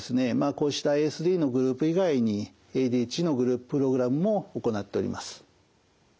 こうしたＡＳＤのグループ以外にＡＤＨＤのグループプログラムも行っております。